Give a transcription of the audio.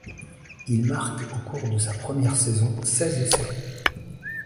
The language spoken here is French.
Il marque au cours de sa première saison seize essais.